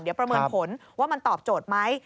เดี๋ยวประเมินผลว่ามันตอบโจทย์ไหม